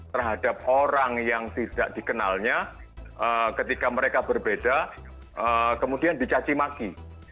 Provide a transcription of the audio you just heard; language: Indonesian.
terhadap orang yang tidak dikenalnya ketika mereka berbeda kemudian dicacimaki